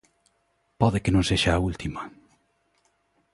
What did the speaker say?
Pode que non sexa a última.